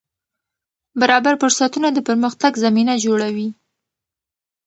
برابر فرصتونه د پرمختګ زمینه جوړوي.